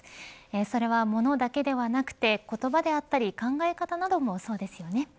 それは、ものだけではなくて言葉であったり考え方などもそうですよね。